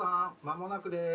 間もなくです。